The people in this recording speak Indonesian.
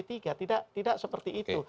tidak seperti itu